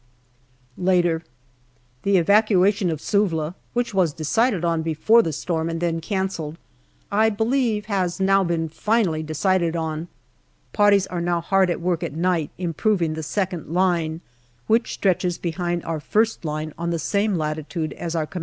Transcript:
Later. The evacuation of Suvla, which was decided on before the storm and then cancelled, I believe has now been finally decided on. Parties are now hard at work at night improv ing the second line, which stretches behind our first line on the same latitude as our C.R.